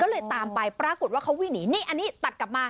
เลยตามไปปรากฏว่าเขาวิ่งหนีนี่อันนี้ตัดกลับมา